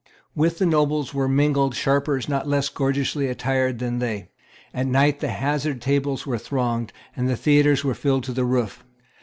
With the nobles were mingled sharpers not less gorgeously attired than they. At night the hazard tables were thronged; and the theatre was filled to the roof.